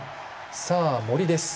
さあ、森です。